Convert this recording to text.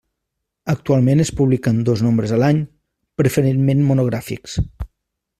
Actualment es publiquen dos nombres a l'any, preferentment monogràfics.